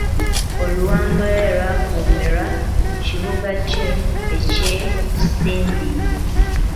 Oluwanga lwe lwakuumirwa mu kibuga kye e Kisimbiri.